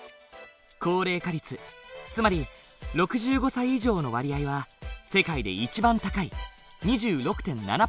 高齢化率つまり６５歳以上の割合は世界で一番高い２６．７％だ。